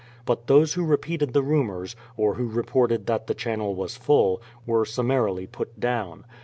But those who repeated the rumors, or who reported that the channel was full, were summarily put down.